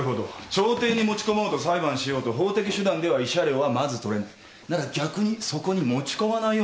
調停に持ち込もうと裁判しようと法的手段では慰謝料はまず取れない。なら逆にそこに持ち込まないようにするわけか。